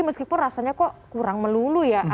meskipun rasanya kok kurang melulu ya